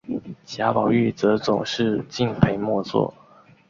贾宝玉则总是敬陪末座。